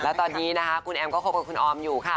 และตอนนี้นะคะคุณแอมก็คบกับคุณออมอยู่ค่ะ